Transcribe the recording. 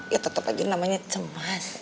ya tetap aja namanya cemas